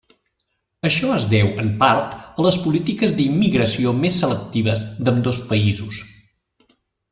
Això es deu, en part, a les polítiques d'immigració més selectives d'ambdós països.